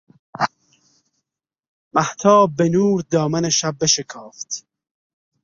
مهتاب به نور دامن شب بشکافت